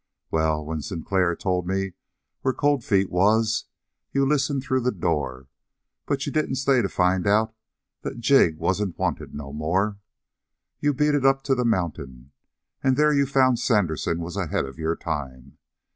Well, when Sinclair told me where Cold Feet was, you listened through the door, but you didn't stay to find out that Jig wasn't wanted no more. You beat it up to the mountain, and there you found Sandersen was ahead of your time.